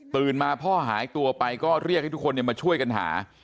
มาพ่อหายตัวไปก็เรียกให้ทุกคนมาช่วยกันหา